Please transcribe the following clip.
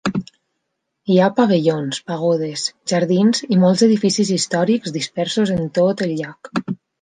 Hi ha pavellons, pagodes, jardins i molts edificis històrics dispersos en tot el llac.